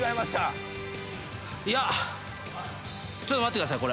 いやちょっと待ってくださいこれ。